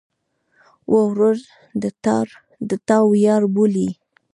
ورور د تا ویاړ بولې.